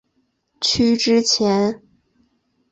区之前。